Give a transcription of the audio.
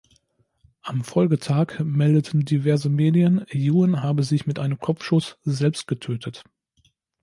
Am Folgetag meldeten diverse Medien, Ewen habe sich mit einem Kopfschuss selbst getötet.